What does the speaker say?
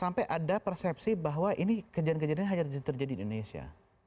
sampai ada persepsi bahwa ini kejadian kejadian ini hanya terjadi di indonesia